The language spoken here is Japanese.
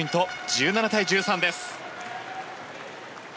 １７対１３です。